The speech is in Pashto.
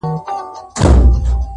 o ژوند د وېري سيوري للاندي دی,